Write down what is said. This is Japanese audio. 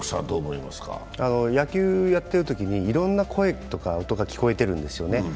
野球やってるときに、いろんな声とか音が聞こえてるんですよね。